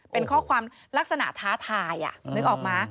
เป็นข้อความลักษณะท้าทายนึกออกมา